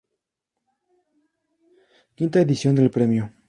V edición del premio.